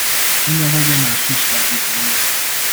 真的會被拿去其他地方用